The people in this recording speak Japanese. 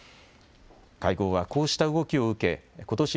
会合はこうした動きを受けことし